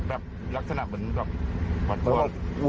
แบบลักษณะเหมือนแบบหวัดกลัว